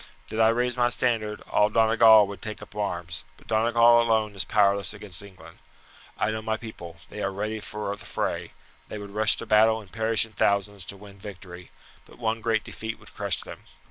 Did I raise my standard, all Donegal would take up arms; but Donegal alone is powerless against England. I know my people they are ready for the fray, they would rush to battle and perish in thousands to win victory, but one great defeat would crush them.